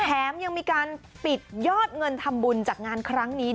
แถมยังมีการปิดยอดเงินทำบุญจากงานครั้งนี้